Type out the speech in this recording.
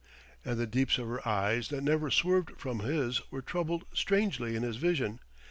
And the deeps of her eyes that never swerved from his were troubled strangely in his vision.